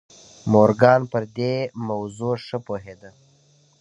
مورګان پر دې موضوع ښه پوهېده.